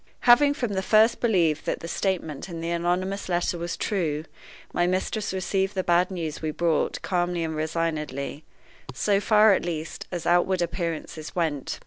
Having from the first believed that the statement in the anonymous letter was true, my mistress received the bad news we brought calmly and resignedly so far, at least, as outward appearances went.